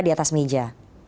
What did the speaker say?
di atas meja